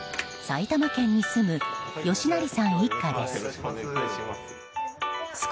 埼玉県に住む吉成さん一家です。